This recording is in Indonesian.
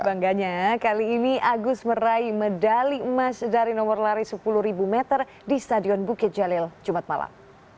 bangganya kali ini agus meraih medali emas dari nomor lari sepuluh meter di stadion bukit jalil jumat malam